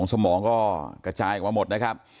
สมองก็กระจายออกมาหมดนะครับ